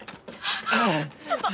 ちょっと！